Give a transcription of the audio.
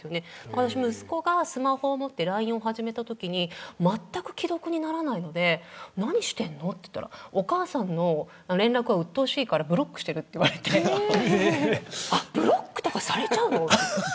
私、息子がスマホを持ってＬＩＮＥを始めたときにまったく既読にならないので何してんのって聞いたらお母さんの連絡はうっとうしいからブロックしてると言われてブロックとかされちゃうのって。